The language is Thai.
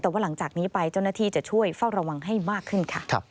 แต่ว่าหลังจากนี้ไปเจ้าหน้าที่จะช่วยเฝ้าระวังให้มากขึ้นค่ะ